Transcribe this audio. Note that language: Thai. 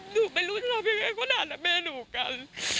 หนูไม่รู้จะรอบแค่ไหนก็นั่นนะแม่หนูกัน